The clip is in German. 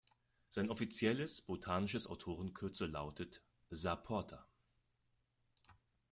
Sein offizielles botanisches Autorenkürzel lautet „Saporta“.